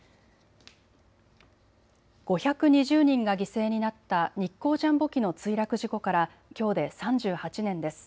５２０人が犠牲になった日航ジャンボ機の墜落事故からきょうで３８年です。